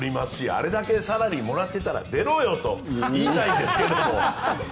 あれだけ更にもらっていたら出ろよと言いたいんですけど。